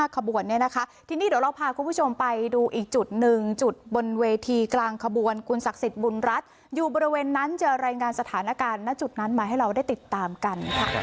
คุณศักดิ์สิทธิ์บุญรัฐอยู่บริเวณนั้นเจอรายงานสถานการณ์ณจุดนั้นมาให้เราได้ติดตามกันค่ะ